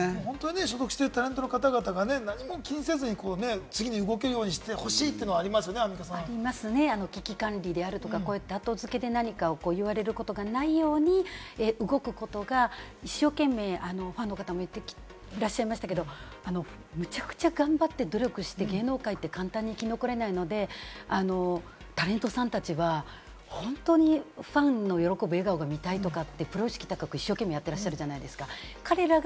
所属しているタレントの方々が何も気にせずに次に動けるようにしてほしいというのはありますよね、アンミカさん。ありますね、危機管理とか後付けで何かを言われることがないように動くことが一生懸命ファンの方も言ってらっしゃいましたけれども、むちゃくちゃ頑張って努力して、芸能界って簡単に生き残れないので、タレントさんたちは本当にファンの喜ぶ笑顔が見たいとかってプロ意識高く一生懸命やってらっしゃるじゃないですか。